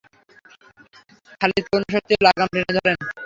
খালিদ পূর্ণশক্তিতে লাগাম টেনে ধরেন।